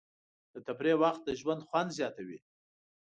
د تفریح وخت د ژوند خوند زیاتوي.